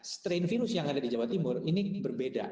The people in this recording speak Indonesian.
strain virus yang ada di jawa timur ini berbeda